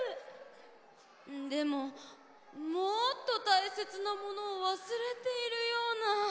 でももっとたいせつなものをわすれているような。